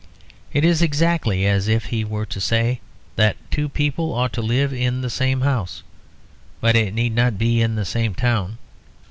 It is exactly as if we were to say that two people ought to live in the same house, but it need not be in the same town.